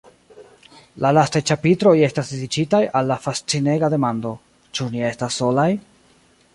La lastaj ĉapitroj estas dediĉitaj al la fascinega demando: “Ĉu ni estas solaj?